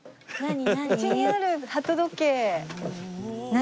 何？